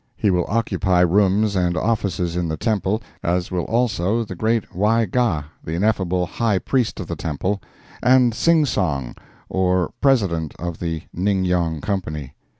He will occupy rooms and offices in the temple, as will also the great Wy Gah, the ineffable High Priest of the temple, and Sing Song, or President of the Ning Yong Company.